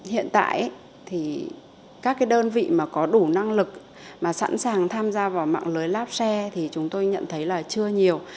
hiện tại thì các cái đơn vị mà có đủ năng lực mà sẵn sàng tham gia vào mạng lưới labshare thì chúng tôi nhận thấy là chưa nhiều